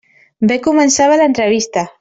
Bé començava l'entrevista.